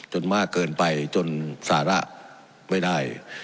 มากเกินไปจนสาระไม่ได้